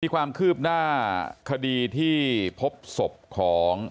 ความคืบหน้าคดีที่พบศพของ